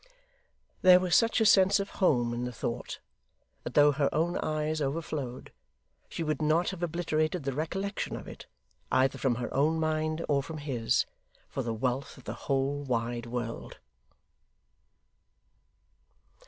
There was such a sense of home in the thought, that though her own eyes overflowed she would not have obliterated the recollection of it, either from her own mind or from his, for the wealth of the whole wide world.